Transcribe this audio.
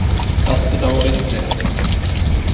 Das bedauere ich sehr!